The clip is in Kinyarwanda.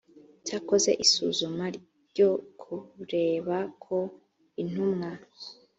cyakoze isuzuma ryo kureba ko intumwa